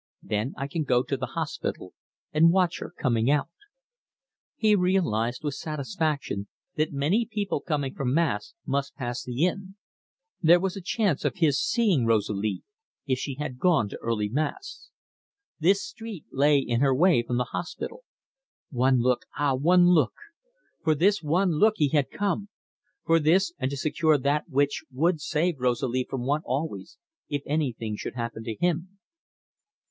Then I can go to the hospital, and watch her coming out." He realised with satisfaction that many people coming from Mass must pass the inn. There was a chance of his seeing Rosalie, if she had gone to early Mass. This street lay in her way from the hospital. "One look ah, one look!" For this one look he had come. For this, and to secure that which would save Rosalie from want always, if anything should happen to him.